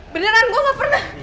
beneran gue gak pernah